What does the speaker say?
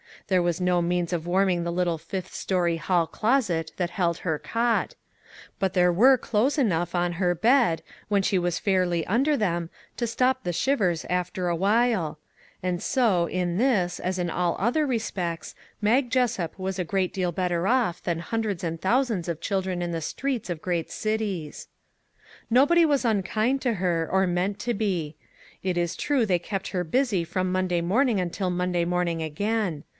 There was no means of warming the little fifth story hall closet that held her cot; but there were clothes enough on her bed, when she was fairly under them, to stop the shivers after awhile; and so, in this, as in all other respects, Mag Jessup was a great deal better off than hundreds and thousands of children in the streets of great cities. Nobody was unkind to her or meant to be. It is true they kept her busy from Monday morning until Monday morning again.